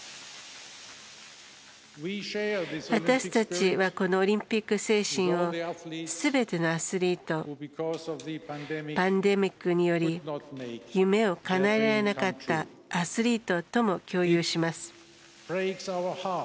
私たちはこのオリンピック精神をすべてのアスリートパンデミックにより夢をかなえられなかったアスリートとも共有します。